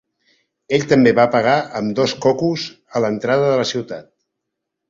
Ell també va pagar amb dos cocos a l'entrada de la ciutat.